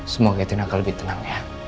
semoga catherine akan lebih tenang ya